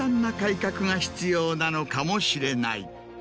なのかもしれない。